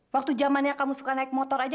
waktu zamannya kamu suka naik motor aja